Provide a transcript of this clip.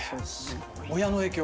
親の影響？